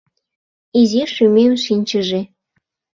Изи шӱмем шинчыже!